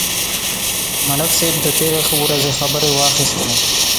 ملک صاحب د تېرې ورځې خبرې واخیستلې.